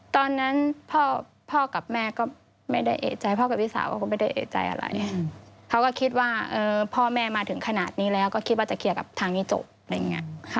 ตอนนั้นพ่อกับแม่ก็ไม่ได้เอกใจพ่อกับพี่สาวเขาก็ไม่ได้เอกใจอะไรเขาก็คิดว่าพ่อแม่มาถึงขนาดนี้แล้วก็คิดว่าจะเคลียร์กับทางนี้จบอะไรอย่างนี้